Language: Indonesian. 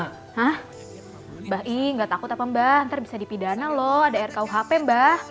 hah mbah i gak takut apa mbah ntar bisa dipidana loh ada rku hp mbah